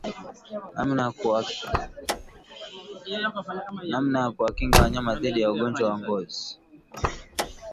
Namna ya kuwakinga wanyama dhidi ya ugonjwa wa ngozi